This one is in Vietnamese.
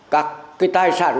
các cái tài sản